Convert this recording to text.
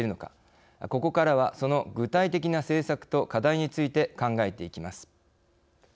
ここからはその具体的な政策と課題について考えていきます。